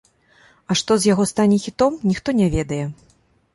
А што з яго стане хітом, ніхто не ведае.